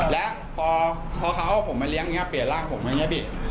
และพ่อเขาเอาผมมาเลี้ยงเปลี่ยนร่างผมอย่างนี้